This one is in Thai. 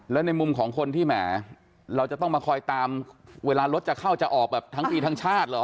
แล้วในมุมของคนที่แหมเราจะต้องมาคอยตามเวลารถจะเข้าจะออกแบบทั้งปีทั้งชาติเหรอ